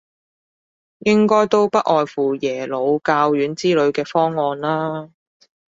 應該都不外乎耶魯、教院之類嘅方案啦